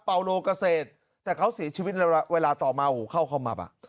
เปาโลกเกษตรแต่เขาสีชีวิตเวลาเวลาต่อมาหูเข้าเข้ามาป่ะ